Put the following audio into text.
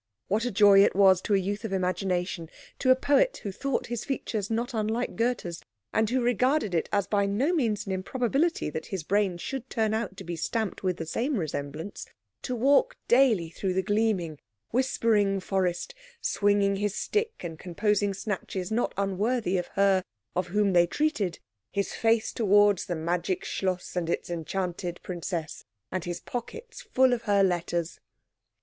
What a joy it was to a youth of imagination, to a poet who thought his features not unlike Goethe's, and who regarded it as by no means an improbability that his brain should turn out to be stamped with the same resemblance, to walk daily through the gleaming, whispering forest, swinging his stick and composing snatches not unworthy of her of whom they treated, his face towards the magic Schloss and its enchanted princess, and his pockets full of her letters!